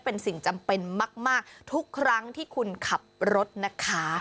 เป็นสิ่งจำเป็นมากทุกครั้งที่คุณขับรถนะคะ